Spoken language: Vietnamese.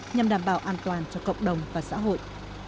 nhằm đảm bảo an toàn cho cộng đồng và xã hội